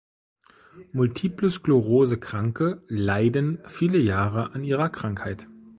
Multiple-Sklerose-Kranke leiden viele Jahre an ihrer Krankheit.